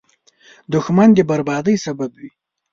دښمن د بربادۍ سبب وي